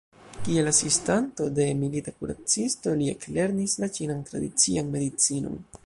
Kiel asistanto de milita kuracisto li eklernis la ĉinan tradician medicinon.